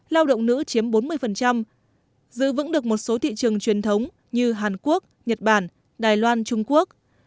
lao động nữ chiếm bốn mươi giữ vững được một số thị trường truyền thống như hàn quốc nhật bản đài loan trung quốc